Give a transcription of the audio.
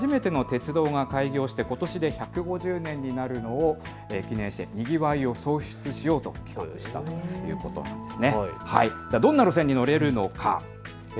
これは日本で初めての鉄道が開業してことしで１５０年になるのを記念してにぎわいを創出しようと企画したということです。